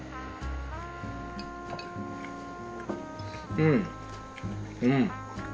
うんうん。